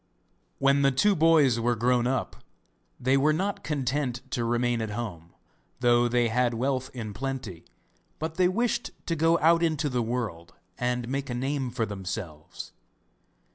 When the two boys were grown up, they were not content to remain at home, though they had wealth in plenty; but they wished to go out into the world, and make a name for themselves.